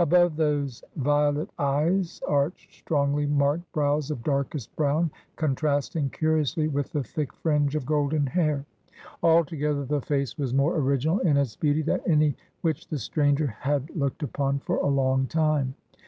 Above those violet eyes arched strongly marked brows of darkest brown, contrasting curiously with the thick fringe of golden hair. Altogether the face was more original in its beauty than any which the stranger had looked upon for a long time.